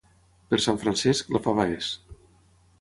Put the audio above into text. Per Sant Francesc, la fava és.